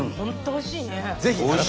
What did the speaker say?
おいしい！